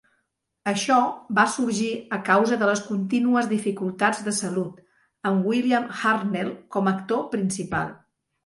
Això va sorgir a causa de les continues dificultats de salut amb William Hartnell com a actor principal.